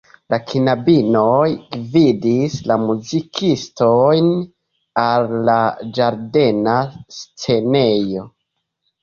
La knabinoj gvidis la muzikistojn al la ĝardena scenejo.